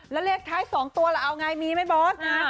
แล้วเลขท้าย๒ตัวล่ะเอาไงมีไหมบอส